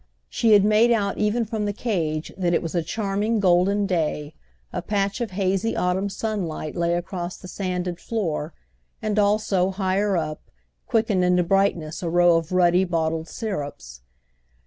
She had made out even from the cage that it was a charming golden day: a patch of hazy autumn sunlight lay across the sanded floor and also, higher up, quickened into brightness a row of ruddy bottled syrups.